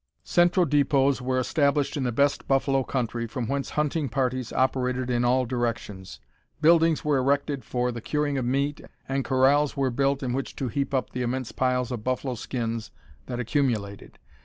Central depots were established in the best buffalo country, from whence hunting parties operated in all directions. Buildings were erected for the curing of meat, and corrals were built in which to heap up the immense piles of buffalo skins that accumulated.